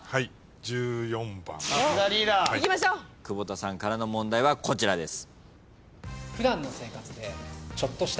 窪田さんからの問題はこちらです。